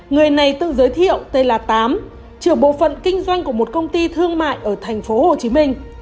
người này tự giới thiệu tên là tám trưởng bộ phận kinh doanh của một công ty thương mại ở thành phố hồ chí minh